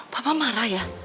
papa marah ya